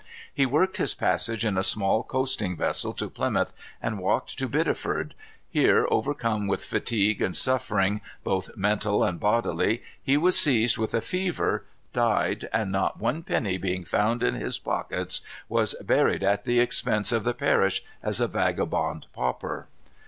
He worked his passage in a small coasting vessel to Plymouth, and walked to Biddeford. Here, overcome with fatigue and suffering, both mental and bodily, he was seized with a fever, died, and, not one penny being found in his pockets, was buried at the expense of the parish as a vagabond pauper.